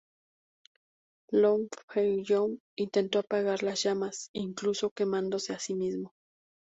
Longfellow intentó apagar las llamas, incluso quemándose a sí mismo.